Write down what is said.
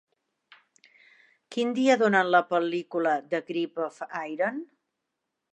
Quin dia donen la pel·lícula "The grip of iron"